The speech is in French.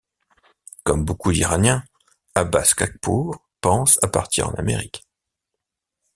Comme beaucoup d’Iraniens, Abbas Khakpour pense à partir en Amérique.